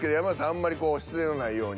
あんまり失礼のないように。